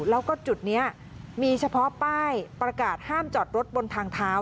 แล้วก็จุดนี้มีเฉพาะป้ายประกาศห้ามจอดรถบนทางเท้า